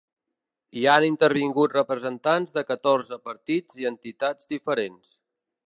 Hi han intervingut representants de catorze partits i entitats diferents.